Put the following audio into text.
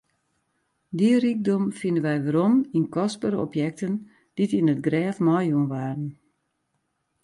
Dy rykdom fine wy werom yn kostbere objekten dy't yn it grêf meijûn waarden.